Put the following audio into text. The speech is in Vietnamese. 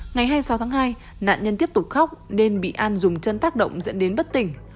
ngày hai mươi sáu tháng hai nạn nhân tiếp tục khóc nên bị an dùng chân tác động dẫn đến bất tỉnh